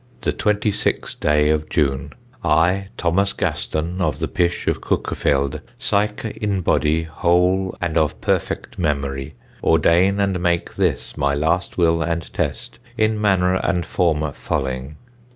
the 26 day of June, I, Thomas Gaston, of the pish of Cukefelde, syke in body, hole, and of ppt [perfect] memorie, ordene and make this my last will and test, in manr. and forme folling.